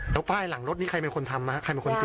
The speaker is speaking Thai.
แล้วป้ายหลังรถนี้ใครเป็นคนทำใครเป็นคนติด